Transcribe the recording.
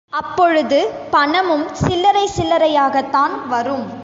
அப்பொழுது பணமும் சில்லறை சில்லறையாகத் தான் வரும்.